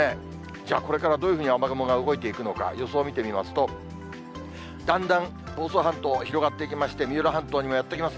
じゃあ、これからどういうふうに雨雲が動いていくのか、予想見てみますと、だんだん房総半島広がっていきまして、三浦半島にもやって来ます。